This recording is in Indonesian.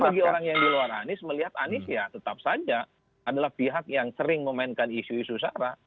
bagi orang yang di luar anies melihat anies ya tetap saja adalah pihak yang sering memainkan isu isu sara